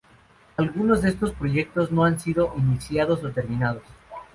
Algunos de estos proyectos no han sido iniciados o terminados.